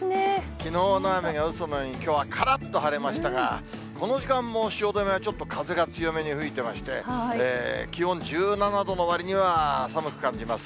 きのうの雨がうそのように、きょうはからっと晴れましたが、この時間も汐留はちょっと風が強めに吹いてまして、気温１７度のわりには寒く感じます。